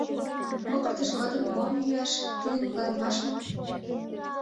Кокыртыш годым мом йӱаш — тиде мутланымаш мо?